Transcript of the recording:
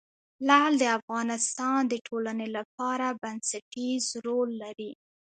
لعل د افغانستان د ټولنې لپاره بنسټيز رول لري.